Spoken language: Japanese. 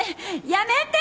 やめて！